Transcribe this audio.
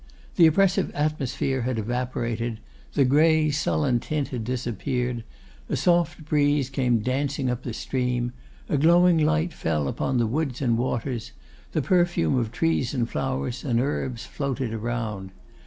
The oppressive atmosphere had evaporated; the grey, sullen tint had disappeared; a soft breeze came dancing up the stream; a glowing light fell upon the woods and waters; the perfume of trees and flowers and herbs floated around.